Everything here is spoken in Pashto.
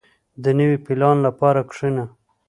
• د نوي پلان لپاره کښېنه.